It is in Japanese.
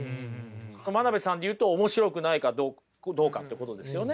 真鍋さんで言うと面白くないかどうかってことですよね。